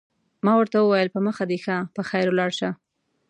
ما ورته وویل: په مخه دې ښه، په خیر ولاړ شه.